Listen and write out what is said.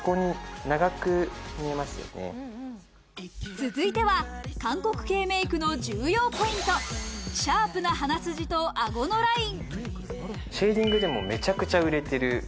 続いては韓国系メイクの重要ポイント、シャープな鼻筋と顎のライン。